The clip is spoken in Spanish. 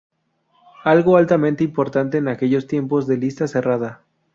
Algo altamente importante en aquellos tiempos de lista cerrada.